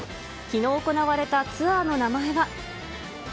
きのう行われたツアーの名前は。